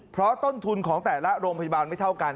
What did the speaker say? เพราะต้นทุนของแต่ละโรงพยาบาลไม่เท่ากัน